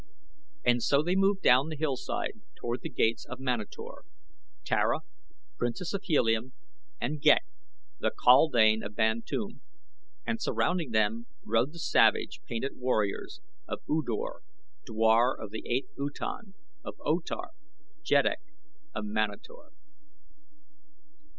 And so they moved down the hillside toward the gates of Manator Tara, Princess of Helium, and Ghek, the kaldane of Bantoom and surrounding them rode the savage, painted warriors of U Dor, dwar of the 8th Utan of O Tar, Jeddak of Manator.